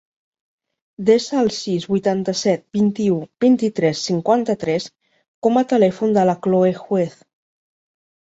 Desa el sis, vuitanta-set, vint-i-u, vint-i-tres, cinquanta-tres com a telèfon de la Khloe Juez.